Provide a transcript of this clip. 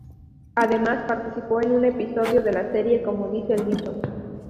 Además participó en un episodio de la serie "Como dice el dicho".